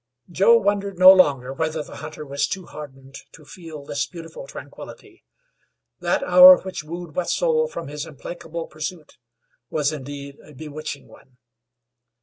Joe wondered no longer whether the hunter was too hardened to feel this beautiful tranquillity. That hour which wooed Wetzel from his implacable pursuit was indeed a bewitching one.